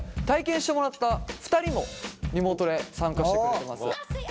体験してもらった２人もリモートで参加してくれてます。